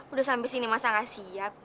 udah sampai sini masa gak siap